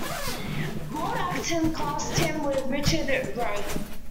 Lord Acton classed him with Richard Rothe.